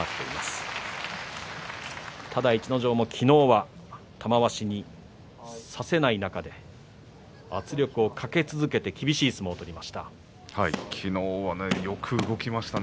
ただ逸ノ城も昨日は玉鷲に差せない中で圧力をかけ続けて厳しい相撲を取りました。